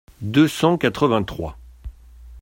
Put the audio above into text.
deux cent quatre-vingt-trois).